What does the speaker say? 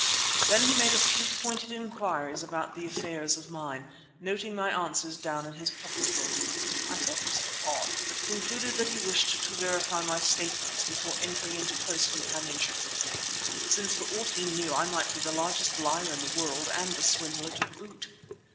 Then he made a few pointed inquiries about the affairs of the mine, noting my answers down in his pocket book. I thought this odd but concluded that he wished to verify my statements before entering into a close companionship with me, since for aught he knew I might be the largest liar in the world and a swindler to boot.